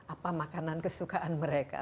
apa makanan kesukaan mereka